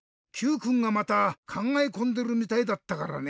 Ｑくんがまたかんがえこんでるみたいだったからね。